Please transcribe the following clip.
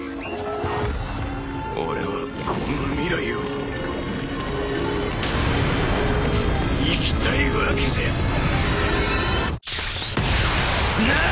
俺はこんな未来を生きたいわけじゃない！！